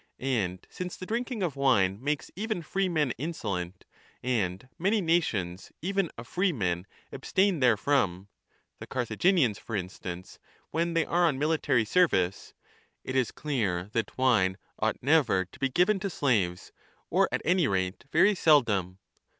And since the drinking of wine makes even freemen inso lent, and many nations even of freemen abstain therefrom (the Carthaginians, for instance, when they are on military service), it is clear that wine ought never to be given to 35 slaves, or at any rate very seldom.